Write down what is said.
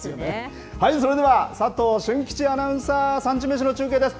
それでは佐藤俊吉アナウンサー、産地めしの中継です。